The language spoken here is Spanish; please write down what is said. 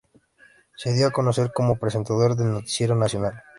Se dio a conocer como presentador del "Noticiero Nacional".